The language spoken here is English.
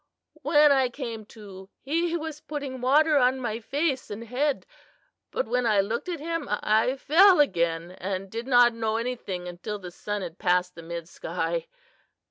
"When I came to he was putting water on my face and head, but when I looked at him I fell again, and did not know anything until the sun had passed the mid sky.